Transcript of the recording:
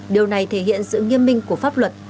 điều này thể hiện sự nghiêm minh của pháp luật